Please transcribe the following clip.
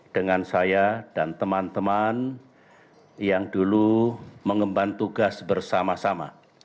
dengan saya dan teman teman yang dulu mengemban tugas bersama sama